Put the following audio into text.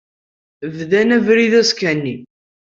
Bdan abrid azekka-nni.